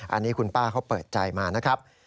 อันนี้คุณป้าเขาเปิดใจมานะครับ